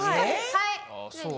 はい！